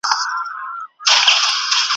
مُلا وايی قبلیږي دي دُعا په کرنتین کي.